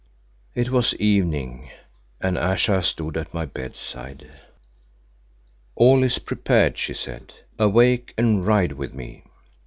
It was evening, and Ayesha stood at my bedside. "All is prepared," she said. "Awake and ride with me."